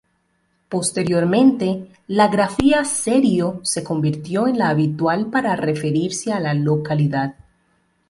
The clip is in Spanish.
Posteriormente la grafía "Cerio" se convirtió en la habitual para referirse a la localidad.